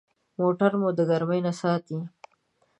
موټر مو د ګرمي نه ساتي.